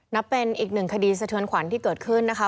นับเป็นอีกหนึ่งคดีสะเทือนขวัญที่เกิดขึ้นนะคะ